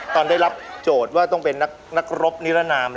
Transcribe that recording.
ตอนได้รับโจทย์ว่าต้องเป็นนักรบนิรนาม